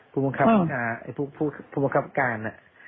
พรุ่งกรรมการ